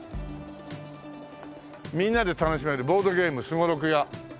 「みんなで楽しめるボードゲームすごろくや」